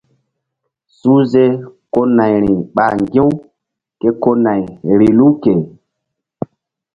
Suhze ko nayri ɓa ŋgi̧-u ke ko nay vbilu ke.